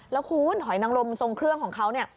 แล้วห่อนังลมส่งเครื่องของเขานะ